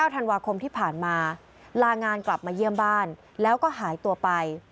ธันวาคมที่ผ่านมาลางานกลับมาเยี่ยมบ้านแล้วก็หายตัวไป